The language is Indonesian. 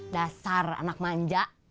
dasar anak manja